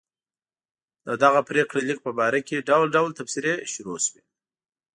د دغه پرېکړه لیک په باره کې ډول ډول تبصرې شروع شوې.